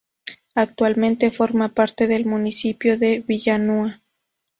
Actualmente forma parte del municipio de Villanúa.